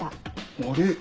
あれ？